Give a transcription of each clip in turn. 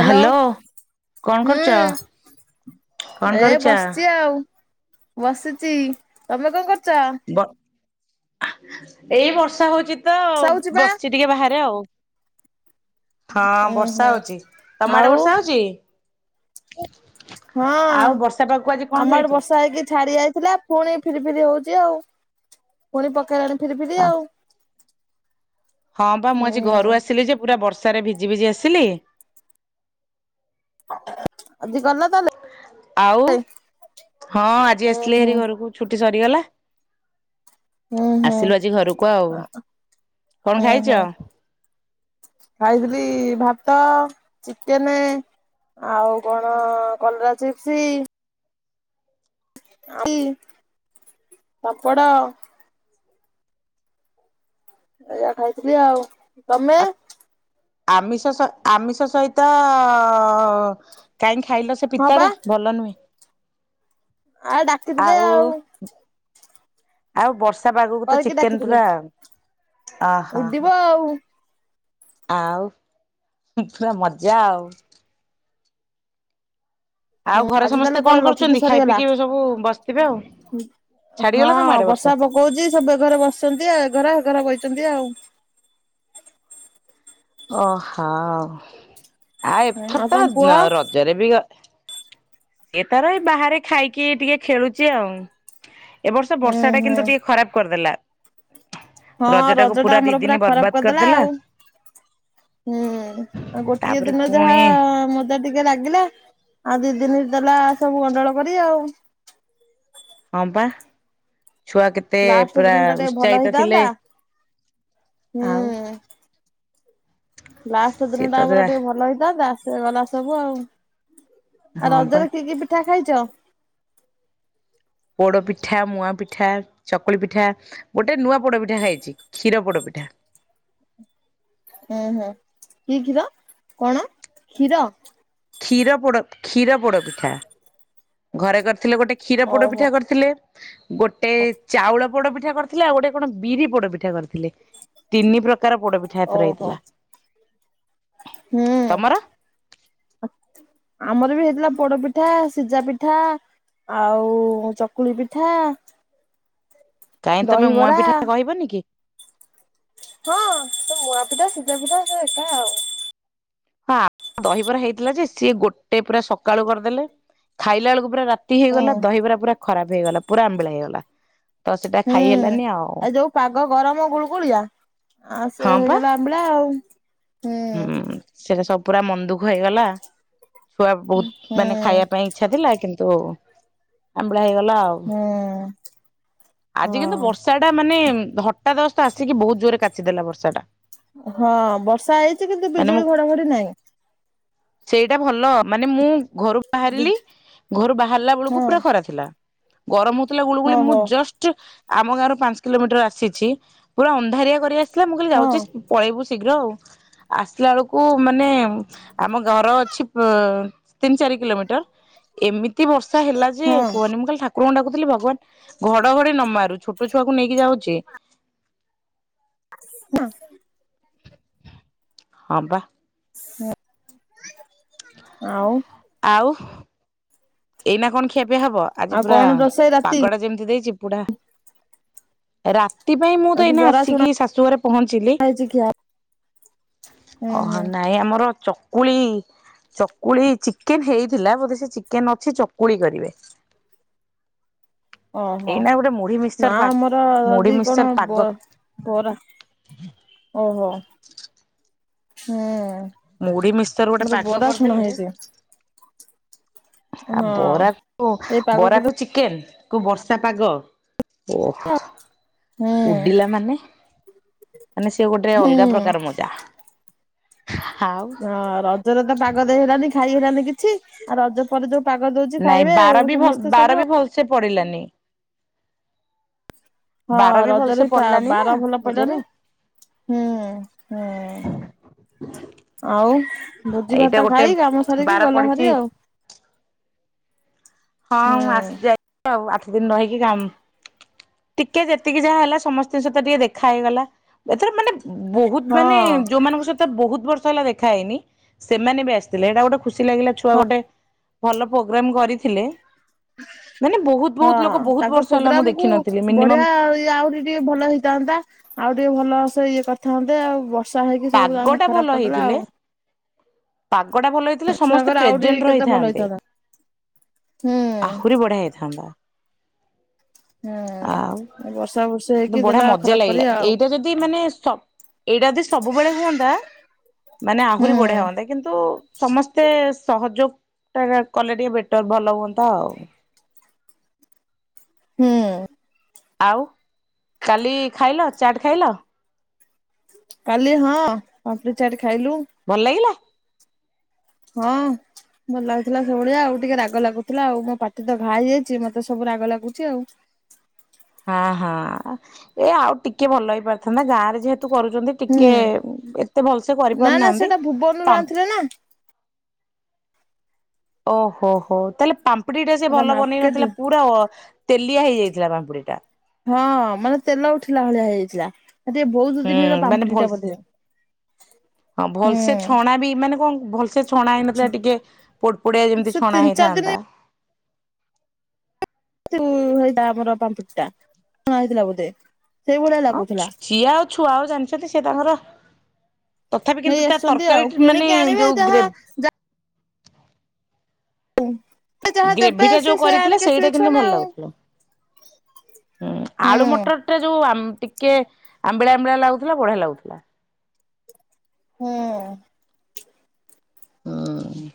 Hello hello କଣ ହୁଁ କରୁଛ କଣ ଏ କରୁଛ? ବସିଛି ଆଉ ବସିଛି। ତମେ କଣ କର ଚ। ବ ଏଇ ବର୍ଷା ହଉଚି। ତ ବର୍ଷା ହଉଛି ବା ବସିଛି ଟିକେ ବାହାରେ ଆଉ। ହଁ ଉୁଁ ବର୍ଷା ହୁଁ ହଉଛି ତମ ଆଡେ ଆଉ ବର୍ଷା ହଉଛି। ହଁ ଆଉ ବର୍ଷା ପାଗକୁ ଆଜି କଣ ଆମ ଆଡ଼େ ଖାଇଛ? ବର୍ଷା ହେଇକି ଛାଡି ଯାଇଥିଲା ପୁଣି। ଫିରି ଫିରି ହଉଛି ଆଉ ପୁଣି ପକେଇଲାଣି। ଫିରି ଫିରି ଆଉ। ହଁ ବା ମୁଁ ଆଜି ହୁଁ ଘରୁ ଆସିଲି ଯେ ପୁରା ବର୍ଷ ସାରେ ଭିଜି ଭିଜି ଆସିଲି ଆଜି ଗଲ ତାହେଲେ ଆଉ ହଁ ଆଜି ଉଁ ଆସିଲି ହୁଁ ହେରି ଘରକୁ ଛୁଟି ସରି ଗଲା ହୁଁ ହୁଁ ଆସିଲୁ ଆଜି ଘରକୁ ଆଉ କଣ ଉଁ ହୁଁ ଖାଇଛ ଖାଇଥିଲି ଭାତ ଚିକେନ ଆଉ କଣ କଲରା ଚିପ୍ସ ପାମ୍ପଡ ଏଆ ଖାଇଥିଲି ଆଉ ତମେ? ଆମିଷ ଆମିଷ ସହିତ କାହିଁକି? ଖାଇଲ ସେ ପିତାଟା ଭଲ ନୁହେଁ। ଆଉ ଡାକିଥିଲେ ଆଉ। ଆଉ ବର୍ଷ। ସ ଆଗକୁ ତ କହିକି ଚିକେନ ଡାକିଥିଲେ ପୁରା ଅହ ଉଡିବ ଆଉ। ଆଉ ପୁରା ମଜା ଆଉ। ଆଉ ହୁଁ ଘରେ ଆଜି ସମସ୍ତେ ତାହେଲେ କଣ ପଳେଇଲ ଛୁଟି କରୁଛନ୍ତି? ଖାଇ ସାରିଗଲା ପିଇକି ଏବେ ସବୁ ବସିଥିବେ ଆଉ। ହଁ ଛାଡିଗଲା ତମ ଆଡେ ବର୍ଷା ପକଉଛି ସବୁ ଘରେ ବସିଛନ୍ତି ଘର ଘର ବ ଛନ୍ତି ଆଉ। ଓହୋ। ଆଉ ହୁଁ ଏଥର ତମ ପୁଅ? ତ ରଜରେ ବି? ଏ ତାର ଏ ବାହାରେ ଖାଇକି ଟିକେ ଖେଳୁଛି ଆଉ। ଏବ ବର୍ଷ ଉଁ ବର୍ଷା ଟା ହୁଁ। କିନ୍ତୁ ଟିକେ ଖରାପ କରିଦେଲା। ହଁ ଟାକୁ ରଜ ଟା ଦି ଆମର ଦିନ ପୁରା ଖରାପ ବର୍ବାଦ କରିଦେଲା ଆଉ ହୁଁ ଆଉ ଗୋଟିଏ ତାପରେ ଦିନ ଯାହା ପୁଣି ମଜା ଟିକେ ଲାଗିଲା। ଆଉ ଦି ଦିନ ଦେଲା ସବୁ ଗଣ୍ଡଳ କରି ଆଉ। ହ ପା। ଛୁଆ କେତେ ଲାଷ୍ଟ ପୁରା ଦିନ ଟା ଟିକେ ଭଲ ଉତ୍ସାହିତ ଥିଲେ ହେଇଥାନ୍ତା। ହୁଁ। ଆଉ। ଲାଷ୍ଟ ଦିନ ସିଏ ତ ଟା ଆମର ଟିକେ ଭଲ ହେଇଥାନ୍ତା ସେ ଗଲା ସବୁ ଆଉ। ଆଉ ହଁ ପା ରଜରେ କିଏ କିଏ ପିଠା ଖାଇଛ। ପୋଡପିଠା ମୁଆ ପିଠା ଚକୁଳି ପିଠା ଗୋଟେ ନୂଆ ପୋଡପିଠା ଖାଇଛି କ୍ଷୀର ପୋଡପିଠା। ହୁଁ ହୁଁ କି କ୍ଷୀର କଣ କ୍ଷୀର। କ୍ଷୀର ପୋଡ କ୍ଷୀର ପୋଡ ପିଠା ଘରେ କରି ଥିଲେ ଗୋଟେ କ୍ଷୀର ପୋଡ ଓହୋ ପିଠା କରିଥିଲେ। ଗୋଟେ ଚାଉଳ ପଡ ପା କରିଥିଲାଉ ଗୋଟେ କଣ ବିରି ପୋଡ ପିଠା କରିଥିଲେ। ତିନି ପ୍ରକାର ପୋଡ ପିଠା ଏଥର ଓହୋ ହେଇଥିଲା ହୁଁ ତମର? ଆମର ବି ହେଇଥିଲା ପୋଡ ପିଠା ସିଝା ପିଠା ଆଉ ଚକୁଳି ପିଠା କାଇହିଁ ତମେ ମୁୂଆ ଦହିବରା ପିଠା ଟା କହିବନି କି? ହଁ ତୁ ମୁଁଆ ପିଧା ସୂଜା ପିଠା ହ ଏକା ଆଉ। ହଁ ଦହ ପରା ହେଇଥିଲା ଯେ ସିଏ ଗୋଟେ ପୁରା ସକାଳୁ କରିଦେଲେ ଖାଇଲା ବେଳକୁ ପୁରା ରା ତି ହୁଁ ହେଇଗଲା ଦହିବରା ପୁରା ଖରାପ ହେଇଗଲା ପୁରା ଆମ୍ବିଳା ହେଇଗଲା ତ ସେଟା ଖାଇ ହୁଁ ହେଲାନି ଆଉ ଏ ଯୋଉ ପାଗ ଗରମ ଗୁଳୁଗୁଳିଆ ଆଉ ସେ ହଁ ପା। ହେଇଗଲା ଆମ୍ବିଳା ଆଉ ହୁଁ ହୁଁ ସେଇଟା ସବୁ ପୁରା ମନ୍ଦୁଖ ହେଇଗଲା ଛୁଆ ବହୁତ ହୁଁ ମାନେ ଖାଇବା ପାଇଁ ଇଚ୍ଛା ଥିଲା କିନ୍ତୁ ତ ଆମ ହେଇଗଲା ଆଉ ହୁଁ ଆଜି କିନ୍ତୁ ହଁ ବର୍ଷା ଟା ମାନେ ହଟା ଦସ୍ତ ଆସିକି ବହୁତ ଜୋରେ କାଚିଦେଲା ବର୍ଷା ଟା ଇଛି କିନ୍ତୁ ମାନେ ମୁଁ ବିଜୁଳି ଘଡାଘଡି ନାହିଁ ସେଇଟା ଭଲ ମାନେ ମୁଁ ଘରୁ ବାହାରିଲି ବିଜୁ ଘରୁ ବାହାରିଲା ବେଳକୁ ହଁ ପୁରା ଖରା ଥିଲା ଗରମ ହେ ଗୁଳୁଗୁଳି ହଁ ମୁଁ ହଁ ଜଷ୍ଟ ଆମ ଗାଁ ର ପାଞ୍ଚ କିଲୋମିଟର ଆସିଛି ପୁରା ଅନ୍ଧାରିଆ କରି ଆସି ମୁଁ କହିଲ ହଁ ଯାଉଛି ପଳେଇବୁ ଶୀଘ୍ର ଆଉ ଆସିଲା ବେଳକୁ ମାନେ ଆମ ଘର ଅଛି ପ ତିନି ଚାରି କିଲୋମିଟର ଏମିତି ବର୍ଷ ସେ ହେଲା ଯେ ହଁ। କୁହନି ମୁ ଖାଲି ଠା ା କଣ ଡାକୁଥିଲି ଭଗବାନ ଘଡଘଡି ନ ମାରୁ ଛୋଟ ଛୁଆକୁ ନେଇକି ଯାଉଛି ହଁ ହଁ ବା ହୁଁ ଆଉ ଏଇ ନା କଣ ଖେପ ହବ ଆଜି ଆଉ ପୁରା କଣ ରୋଷେଇ ରାତି ପାଗ ଟା ଯେମିତି ଦେଇଛି କକୁଡ଼ା ରାତି ସେଥିପାଇଁ ମୁଁ ତ ଆଜି ଏଇନା ବରା ଛଣା ଆସିକି ଶାଶୁ ଘରେ ପହଞ୍ଚିଲି ହେଇଛି ଖିଆ ହୁଁ ଓହ ହୁଁ ନାଇଁ ଆମର ଚକୁଳି ଚକୁଳି ଚିକେନ ହେଇଥିଲା ବୋଧେ ସେ ଚିକେନ ନ କିଛି ଚକୁଳି କରିବେ ଓହୋ ଏଇନା ଗୋଟେ ମୁଢି ନା ମିକ୍ସଚର ପା ଆମର ମୁଢି ଯଦି ମିକ୍ସଚର କଣ ପାଗ ବ ବରା ଓହୋ ହୁଁ ମୁଢ ମିସ୍ତର ଗୋଟେ ମୋର ପାଗ ବରା ଛଣା କରିଦେଲେ ହେଇଛି ଆଉ ହଁ। ବରାକୁ ଏଇ ପାଗକୁ ତ ବରାକୁ ଚିକେନ କୁ ବର୍ଷା ପାଗ ହୁଁ ଉଡିଲା ମାନେ ମାନେ ସେ ଗୋଟେ ହୁଁ ଅଲଗା ପ୍ରକାର ମଜା ଆଉ ହଁ ରଜରେ ତ ପାଗ ଦେଇ ହେଲାନି ଖାଇ ହେଲାନି କିଛି ଅଛି ଆଉ ରଜ ପରଜଉ ପାଗ ଦଉଛି ଖାଇବେ ଆଉ ସମସ୍ତେ ସବୁ ଆଉ ତ ପଡିଲାନି ହଁ ବାର ବି ଭଲସେ ରଜରେ ପଡିଲାନି ନା ବାର ଭଲ ପଡିଲନି ରଜରେ। ହୁଁ ହୁଁ ଆଉ ଭୋଜି ଏଇଟା ଭାତ ଗୋଟେ ଖାଇ କାମ ବାର ସାରିକି ଗଲ ପଡିଛି ହରି ଆଉ ହଁ ମୁଁ ହୁଁ। ଆସି ଯାଇ ଆଉ ଦିନ ରହିକି କାମ ଟିକେ ଯେତିକି ଯାହା ହେଲା ସମସ୍ତ ଜିନ ସତ ଟିକେ ଦେଖା ହେଇଗଲା ଏଥର ମାନେ ବହୁତ ମାନେ ହଁ ଯୋଉମାନଙ୍କ ସହିତ ବହୁତ ବର୍ଷ ଦେଖାହଇନି ସେମାନେ ବି ଆସିଥିଲେ ଏଇଟା ଗୋଟେ ଖୁସି ଲାଗିଲା ଛୁଆ ଗୋଟେ ଭଲ ପ୍ରୋଗ୍ରାମ କରିଥିଲେ ମାନେ ବହୁତ ହଁ ବହୁତ ଲୋକ ବହୁତ ତାଙ୍କ ବର୍ଷ ହେଲା ମୁଁ ପ୍ରୋଗ୍ରାମ କୁ ଦେଖିନଥିଲି ମିନିମମ୍ ବଢିଆ ଇ ଆଉ ଟିକେ ଟିକେ ଭଲ ହେଇଥାନ୍ତା ଆଉ ଟିକେ ଭଲ ଇଏ କଥା ହୁନ୍ତେ ଆଉ ବର୍ଷା ହେଇକି ସବୁ ପାଗ ଆମ ଖରାପ କରିଦେଲା ଆଉ ପା କଡା ଭଲ ହେଇଥିଲେ ସମସ୍ତେ ଛୁଆଙ୍କର ଆହୁରି ପ୍ରେଜେଣ୍ଟ କେତେ ଭଲ ରହିଥାନ୍ତେ ହେଇଥାନ୍ତା ହୁଁ ଆହୁରି ବଢିଆ ହେଇଥାନ୍ତା ଆଉ ହୁଁ ବର୍ଷା ବର୍ଷି କି ହେଇକି ବଢିଆ ଦେଲା ମଜା ଖରାପ କରି ଲାଗିଲା ଆଉ ଏଇଟା ଯଦି ମାନେ ଏଇଟା ଯଦି ସବୁବେଳେ ହୁଅନ୍ତା ମାନେ ହୁଁ ଆହୁରି ବଢିଆ ହୁଅନ୍ତା କିନ୍ତୁ ସମସ୍ତେ ସହଯୋଗ ଟ କଲେ ଟିକେ ବେଟର ଭଲ ହୁଅନ୍ତା ଆଉ ହୁଁ ଆଉ କାଲି ଖାଇଲ ଚାଟ ଖାଇଲ କାଲି ହଁ ପାଟ ଚାର ଭଲ ଲାଗଲା ହଁ ଭଲ ଲାଗୁଥିଲା ସେଇଭଳିଆ ଆଉ ଟିକେ ରାଗ ଲାଗୁଥିଲା ଆଉ ମୋ ପାଟି ତ ଘା ହେଇଯାଇଛି ମତେ ସବୁ ରାଗ ଲାଗୁଛି ଆଉ ହଁ ହଁ ଏ ଆଉ ଟିକେ ଭଲ ହେଇପାରିଥାନ୍ତା ଗାଁ ରେ ଯେହେତୁ କରୁଛନ୍ତି ହୁଁ ଟିକେ ଏତେ ଭଲସେ ନା ନା କରିପାରୁନାହାନ୍ତି ସେଇଟା ଭୁବନରୁ ଆଣିଥିଲେ ନା ଓହୋ ହୋ ତାହଲେ ପା [unintelligible] ଟା ସେ ଏଟା ଭଲ ବନେଇ ମାର୍କେଟ ରୁ। ନଥିଲା ପୁରଅ ତେଲିଆ ହେଇଯାଇଥିଲା ପାମ୍ପୁଡି ଟା। ହଁ ମାନେ ତେଲ ଉଠିଲା ଭଳିଆ ହେଇଯାଇଥିଲା। ଟିକେ ବହୁତ ହୁଁ ଦିନର ମାନେ ପାମ୍ପୁଡି ଟା ଭଲ ବୋଧେ ହଁ ଭଲସେ ହୁଁ। ଛଣା ବି ମାନେ କଣ ଭଲ [unintelligible] ସେ ଛଣା ହେଇନଥିଲା ଟିକେ ପୋଡପୋଡିଆ ଯେମିତି ସେ ଛଣା ତିନି ଚାରି ଦିନ ହେଇଥାନ୍ତା ସେଇଟା ଆମର ପାମ୍ପୁଟ ଟା ହେଇଥିଲା ବୋଧେ ସେଇଭଳିଆ ହଁ ଲାଗୁଥିଲା ଝିଝିଅ ଆଉ ଛୁଆ ଆଉ ଜାଣିଛନ୍ତି ସି ତାଙ୍କର ତଥାପି କିନ୍ତୁ ନେଇ ତା ଆସୁଛନ୍ତି ତରକାରୀ ଆଉ ମାନେ କିଣିକି ଆଣିବେ ଯୋଉ ଗ୍ରେ ଯାହା ଯା [inaudible] ଦେବେ ଗ୍ରେଭି ଟା ସେ ଯୋଉ ସେ କରିଥିଲା ଆଣିକି ସେଇଟା ଆସିବେ ଛୁଆ କିନ୍ତୁ ନା ଭଲ ଆଉ ଲାଗୁଥିଲା। ହୁଁ ଆଳୁ ମଟର ଟା ଯୋଉ ଆମ୍ ଟିକ୍ କେ ଆମ୍ବିଳା ଆମ୍ବିଳା ଲାଗୁଥିଲା ବଢିଆ ଲାଗୁଥିଲା। ହୁଁ। ହୁଁ।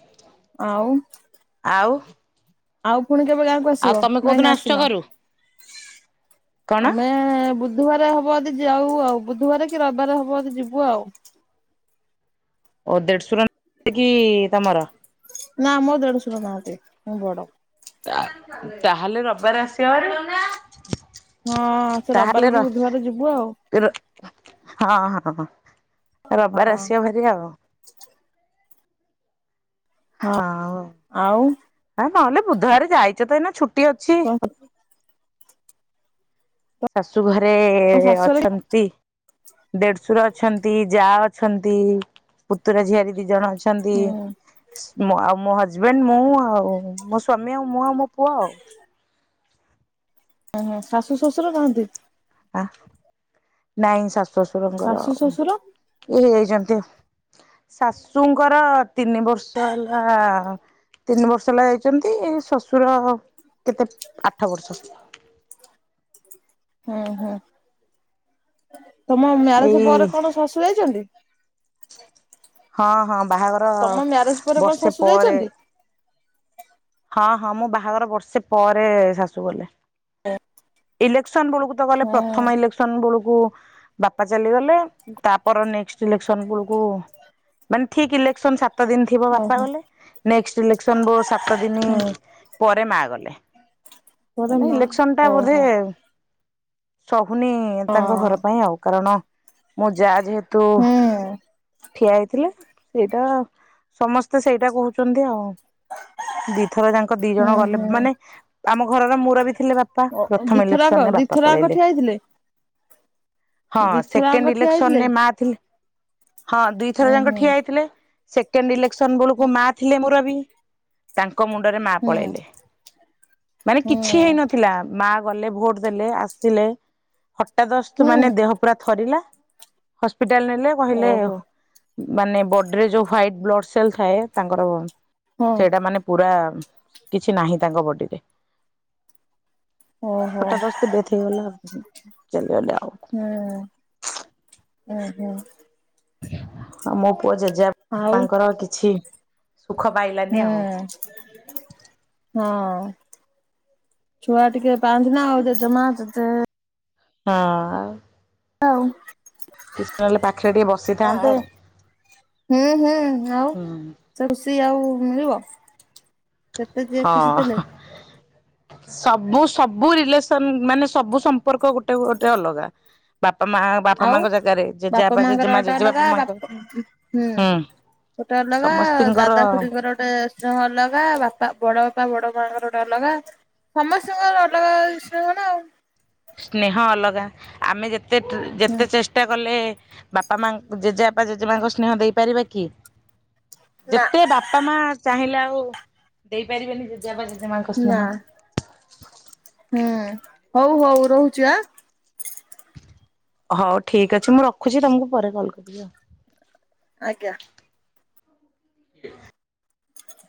ଆଉ ଆଉ ଆଉ ପୁଣି କେବେ ଗାଁକୁ ଆଉ ଆସିବ ତମେ ନାଇଁ କୋଉଦିନ ନା ଆସୁଛ ଆସିନ ଘରୁ କଣ [inaudible] ଆମେ ବୁଧବାର ହବ ଜଦି ଯାଉ ଆଉ ବୁଧବାର କି ରବିବାର ହବ ଜଦି ଯିବୁ ଆଉ। ଓ ଦେଢଶୁର [unintelligible] କି ତମର ନାଁ ମୋ ଦେଢଶୁର ନାହାତି ମୁଁ ବଡ। ତାହେଲେ ରବିବାର ଆସିବା ହାରି। ହଁ ସେ ରବାର କି ବୁଧବାର ଯିବୁ ଆଉ ହଁ ହଁ। ରବିବାର ଆସିବ ଭାରି ଆଉ। ହଁ ହଁ ଆଉ ଆ ନହେଲେ ବୁଧବାରେ ଯାଇଛ ତ ଏଇନା ଛୁ ଟି ଅଛି। ତମ ଶାଶୁ ଘ ରେ ଶାଶୁଘରେ ଅଛନ୍ତି ଦେଢଶୁର। ଛନ୍ତି ଯା ଅଛନ୍ତି ପୁତୁରା ଝିଆରି ଦି ଜଣ ଅ ଛନ୍ତି ହୁଁ ମ ଆଉ ମ ହଜବ୍ୟାଣ୍ଟ ମୁଁ ଆଉ ମୋ ସ୍ବାମୀ ଆଉ ମୁଁ ଆଉ ମୋ ପୁଅ ଆଉ। ଓହୋ ଶାଶୁ ଶ୍ୱଶୁର କାହନ୍ତି। ଆ ନାଇଁ ସା ଶ୍ୱଶୁରଙ୍କର ଶାଶୁ ଶ୍ୱଶୁର ଇଏ ହେଇଯାଇଛନ୍ତି। ଶାଶୁଙ୍କର ତିନି ବର୍ଷ ହେଲା ତିନି ବର୍ଷ ହେଲା ଯାଇଛନ୍ତି ଶ୍ୱଶୁର କେତେ ଆଠ ବର୍ଷ। ହୁଁ ହୁଁ। ତମ ମ୍ୟାରେଜ ଏଇ ପରେ କଣ ଶାଶୁ ଯାଇଛନ୍ତି। ହଁ ହଁ। ବାହାଘର ତମ ମ୍ୟାରେଜ ପରେ କଣ ବର୍ଷେ ଶାଶୁ ପରେ ଯାଇଛନ୍ତି? ହଁ ହଁ ମୁଁ ବାହାଘର ବର୍ଷେ ପରେ ଶାଶୁ ଗଲେ। ଇଲେକ୍ସନ ବେଳକୁ ତ ଗଲେ ହଁ ପ୍ରଥମ ଇଲେକ୍ସନ ବଳୁ କୁ ବାପା ଚାଲିଗଲେ ତାପର ନେକ୍ସଟ ଇଲେକ୍ସନ ବଳକୁ ମାନେ ଠିକ ଇଲେ ଶନ ସାତ ସାତ ଦିନ ଥିବ ବାପା ଓହୋ ଗଲେ ନେକ୍ସଟ ଇଲେକ୍ସନ ବୋ ସାତ ଦିନ ପରେ ମା ଗଲେ। ତୋର ମାନେ ମା ଇଲେକ୍ସନ ଟା ବୋଧେ। ଓହୋ ସ ସହୁନି ହଁ ତାଙ୍କ ଘର ପାଇଁ ଆଉ କାରଣ। ମୁଁ ଯା ଯେହେତୁ ହୁଁ ଠିଆ ହେଇଥିଲେ। ସେଇଟା ସମସ୍ତେ ସେଇଟା କହୁଛନ୍ତି ଆଉ। ଦିଥର ଯାଙ୍କ ଦି ହୁଁ ଜଣ ଗଲେ ହୁଁ ମାନେ। ଆମ ଘରର ମୁରବି ଥି ଓ ଦିଥରଆଙ୍କ ଦିଥରଆଙ୍କ ପଳେଇଲେ। ଠିଆ ହେଇଥିଲେ। ହଁ ଦିଥରାଙ୍କ ସେକେଣ୍ଡ ଠିଆ ହେଇଥିଲେ? ଇଲେକ୍ସନରେ ମା ଥିଲେ। ହଁ ଦୁଇଥର ଉଁ ଯାଙ୍କ ହୁଁ ଠିଆ ହେଇଥିଲେ। ସେକେଣ୍ଡ ଇଲେ ସନ ବେଳକୁ ମା ଥିଲେ ମୋର। ବି ତା କ ମୁଣ୍ଡରେ ମା ହୁଁ ପଳେଇଲେ। ମାନେ ହୁଁ କିଛି ହେଇନଥିଲା ମା। ଗଲେ ଭୋଟ ଦେଲେ ଆସିଲେ। ହଠାଦସ୍ତ ମାନେ ହୁଁ ଦେହ ପୁରା ଥରିଲା। ହ ପିଟାଲ ନେଲେ କହିଲେ ଓହୋ ମାନେ ବଡି ରେ ଯୋଉ ହ୍ଵାଇଟ। ବ୍ଲଡ ସେଲ ଥାଏ ତାଙ୍କର। ହଁ ସେଇଟା ମାନେ ପୁରା। କିଛି ନାହିଁ ତାଙ୍କ ବଡିରେ। ଓହୋ ହଠାଦସ୍ତ୍ ଡେଥ୍ ହେଇଗଲା ଚାଲିଗଲେ ଆଉ। ଉ ହୁଁ। ଆଉ ମୋ ପୁଅ ଜେଜେବା ପାଙ୍କର କିଛି। ସୁଖ ପାଇଲାନି ଆଉ ହୁଁଉଁ ହଁଅଁ। ଛୁଆ ଟିକେ। ପାଆନ୍ତି ନା ଆଉ ଜେଜମା ଜେଜେଏ ହଁଅଁ। ଆଉ। ପାଖରେ ଟିକେ ବସିଥାନ୍ତେ ଆଉ ହୁଁ ହୁଁ ଆଉ ହୁଁ ସେ ଖୁସି ଆଉ ମିଳିବ। ତେତେ ଯିଏ ଖୁସି ହଁ ଥିଲେ। ସବୁ ସବୁ ରିଲେସନ୍ ମାନେ ସବୁ ସମ୍ପର୍କ ଗୋଟେ ଗୋଟେ ଅଲଗା ବାପ୍ ଆଉ ବାପା ମାଙ୍କର ଜେଜେମା ଗୋଟେ ଅଲଗା ଜେଜେବାପା ମାଙ୍କ ବାପ-ଅ ଉଁ ହୁଁ ହୁଁ ଗୋଟେ ଅଲଗା ସମସ୍ତିଙ୍କର ଦାଦା ଖୁଡିଙ୍କର ଗୋଟେ ସ୍ନେହ ଅଲଗା ବାପା ବଡ ବାପା ବଡ ମାଙ୍କର ଗୋଟେ ଅଲଗା ସମସ୍ତିଙ୍କର ଅଲଗା ସ୍ନେହ ନା ଆଉ। ସ୍ନେହ ଅଲଗା ଆମେ ଯେତେ ତେ-ଟ୍ର ଯେତେ ଚେଷ୍ଟା କଲେଏ। ବାପା ମାକଂ ଜେଜେବାପା ଜେଜେ ମାଙ୍କ ସ୍ନେହ ଦେଇପାରିବା କି? ନା ଯେତେ ବାପା ମା ଚାହିଁଲା ଓ ଦେଇପାରିବେନି ଯେଦି ନା ହୁଁଉଁ। ହଉ ହଉ ରହୁଚି ଆଁ। ହଉ ଠିକ ଅଛି ମୁଁ ରଖୁଚି ତମକୁ ପରେ କଲ୍ କରିବି ଆଉ। ଆଜ୍ଞା। [inaudible]